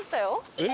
えっ？